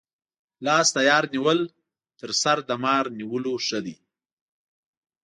لاس د یار نیول تر سر د مار نیولو ښه دي.